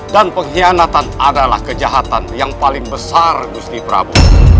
dan pengkhianatan adalah kejahatan yang paling besar usti prabu